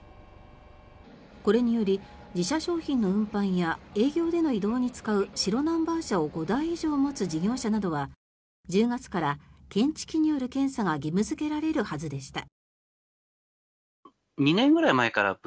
これにより自社商品の運搬や営業での移動に使う白ナンバー車を５台以上持つ事業者などは１０月から検知器による検査が義務付けられるはずでした。